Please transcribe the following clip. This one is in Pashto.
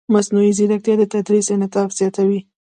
مصنوعي ځیرکتیا د تدریس انعطاف زیاتوي.